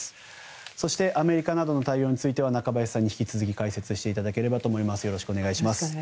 そしてアメリカなどの対応については中林さんに引き続き解説していただければと思います。